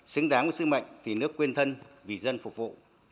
xứng đáng với sứ mệnh vì nước quên thân vì dân phục vụ